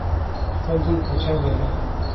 خپل ځان پاچا باله.